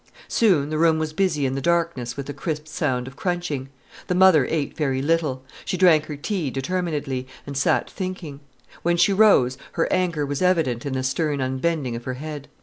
Soon the room was busy in the darkness with the crisp sound of crunching. The mother ate very little. She drank her tea determinedly, and sat thinking. When she rose her anger was evident in the stern unbending of her head.